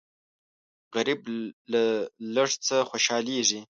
غریب له لږ څه خوشالېږي